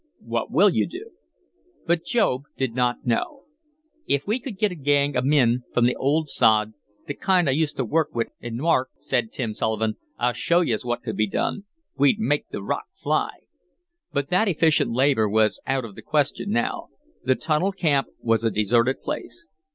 "What will you do?" But Job did not know. "If we could git a gang of min from the ould sod th' kind I used t' work wit in N'Yark," said Tim Sullivan, "I'd show yez whot could be done! We'd make th' rock fly!" But that efficient labor was out of the question now. The tunnel camp was a deserted place.